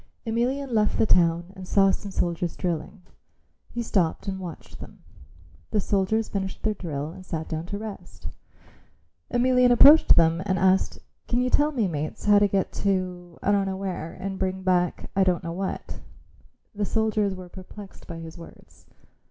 Emelian left the town and saw some soldiers drilling. He stopped and watched them. The soldiers finished their drill and sat down to rest. Emelian approached them and asked, "Can you tell me, mates, how to get to I don't know where and bring back I don't know what." The soldiers were perplexed at his words.